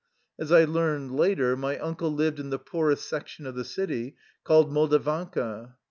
As I learned later, my uncle lived in the poorest section of the city, called Moldavanka.